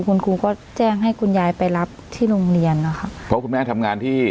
คุณครูก็แจ้งให้คุณยายไปรับที่โรงเรียนนะคะเพราะคุณแม่ทำงานที่